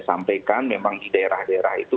sampaikan memang di daerah daerah itu